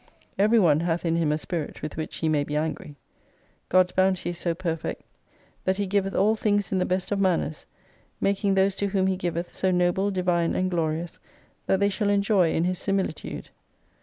(Every one hath in him a Spirit, with which he may be angry.) God's bounty is so perfect that He givcth all Things in the best of manners : making those to whom He giveth so Noble, Divine, and Glorious, that they shall enjoy in His Similitude.